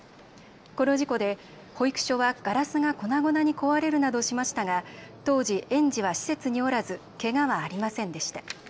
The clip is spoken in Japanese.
この事故で保育所はガラスが粉々に壊れるなどしましたが当時、園児は施設におらずけがはありませんでした。